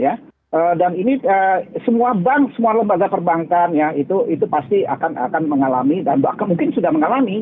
ya dan ini semua bank semua lembaga perbankan ya itu pasti akan mengalami dan bahkan mungkin sudah mengalami